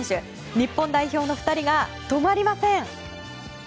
日本代表の２人が止まりません。